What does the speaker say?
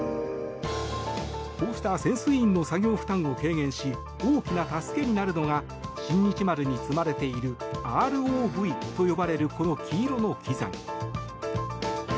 こうした潜水員の作業負担を軽減し大きな助けになるのが「新日丸」に積まれているＲＯＶと呼ばれるこの黄色の機材。